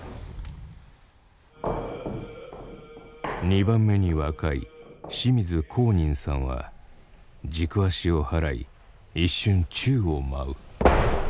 ２番目に若い清水公仁さんは軸足を払い一瞬宙を舞う。